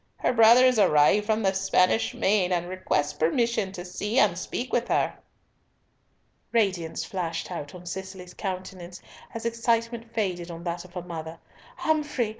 Her brother is arrived from the Spanish Main, and requests permission to see and speak with her." Radiance flashed out on Cicely's countenance as excitement faded on that of her mother: "Humfrey!